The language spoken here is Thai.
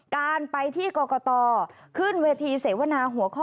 การไปที่กรกตขึ้นเวทีเสวนาหัวข้อ